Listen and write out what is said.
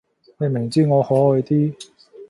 你明知我可愛啲